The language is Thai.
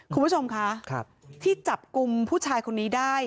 คุณผู้ชมคะที่จับกลุ่มผู้ชายคนนี้ได้